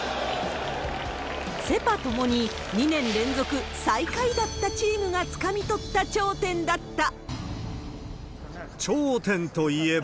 セ・パともに２年連続最下位だったチームがつかみ取った頂点頂点といえば。